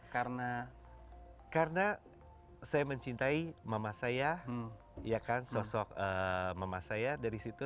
karena karena saya mencintai mama saya ya kan sosok mama saya dari situ